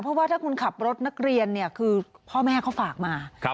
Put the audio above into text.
เพราะว่าถ้าคุณขับรถนักเรียนเนี่ยคือพ่อแม่เขาฝากมา